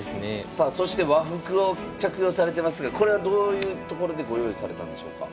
さあそして和服を着用されてますがこれはどういうところでご用意されたんでしょうか？